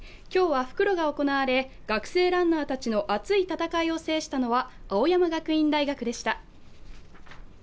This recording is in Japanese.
今日は復路が行われ、学生ランナーたちの熱い戦いを制したのは青山学院大学でした。